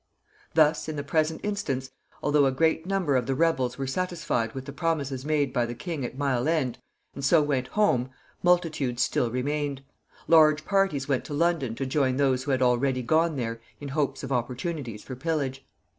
Thus, in the present instance, although a great number of the rebels were satisfied with the promises made by the king at Mile End, and so went home, multitudes still remained. Large parties went to London to join those who had already gone there in hopes of opportunities for pillage.